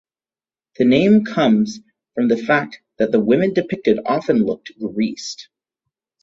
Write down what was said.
The name comes from the fact that the women depicted often look "greased".